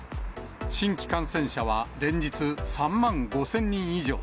新規感染者は連日３万５０００人以上。